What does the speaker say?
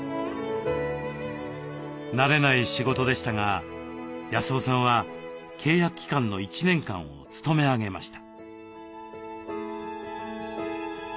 慣れない仕事でしたが康雄さんは契約期間の１年間を勤め上げました。